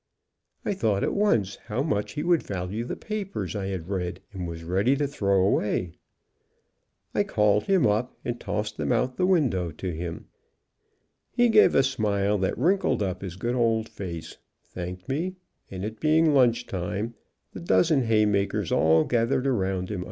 I thought at once how much he would value the papers I had read, and was ready to throw away, and I called him up and tossed them out of the win dow to him. He gave a smile that wrinkled up his good old face, thanked me, and it being lunch time, the dozen hay makers all gathered around him Now they look for me.